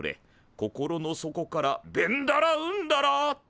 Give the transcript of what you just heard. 心の底から「ベンダラウンダラ」と。